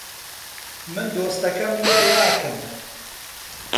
من دۆستەکەم وێڵ ناکەم